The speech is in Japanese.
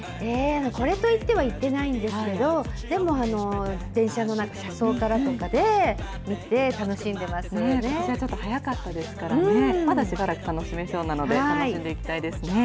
これといっては行ってないんですけど、でも、電車の中、車窓桜、ちょっと早かったですからね、まだしばらく楽しめそうなので、楽しんでいきたいですね。